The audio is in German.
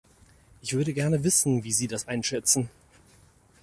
Ich würde gerne wissen, wie Sie das einschätzen.